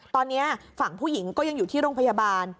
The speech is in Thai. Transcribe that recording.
ตอนนี้ฝั่งผู้หญิงก็ยังอยู่ที่โรงพยาบาล